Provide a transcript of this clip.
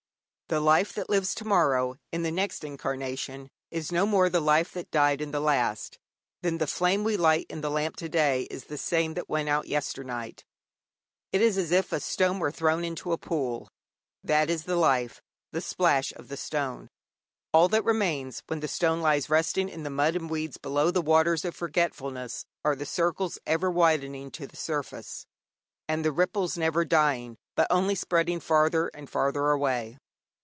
The life that lives tomorrow in the next incarnation is no more the life that died in the last than the flame we light in the lamp to day is the same that went out yesternight. It is as if a stone were thrown into a pool that is the life, the splash of the stone; all that remains, when the stone lies resting in the mud and weeds below the waters of forgetfulness, are the circles ever widening on the surface, and the ripples never dying, but only spreading farther and farther away.